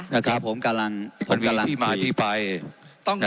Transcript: นะครับผมกำลังผมกำลังคุยมันมีที่มาที่ไปนะครับ